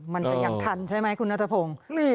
มันก็ยังทันใช่ไหมคุณนัทพงศ์